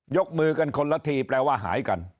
ยกมือกันคนละทีแปลว่าหายกัน